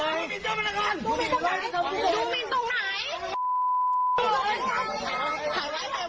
มันไม่ได้มีความผิดอะไรครับ